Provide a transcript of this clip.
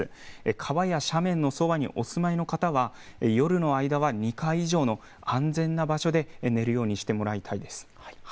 川や斜面のそばにお住まいの方は夜の間は２階以上の安全な場所で寝るようにしてもらいたいです。